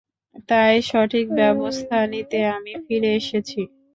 তাই সঠিক ব্যাবস্থা নিতে আমি ফিরে এসেছি।